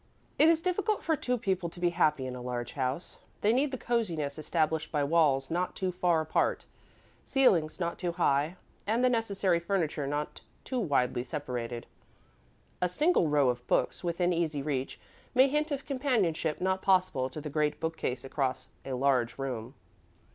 It is difficult for two people to be happy in a large house; they need the cosiness established by walls not too far apart, ceilings not too high, and the necessary furniture not too widely separated. A single row of books, within easy reach, may hint of companionship not possible to the great bookcase across a large room.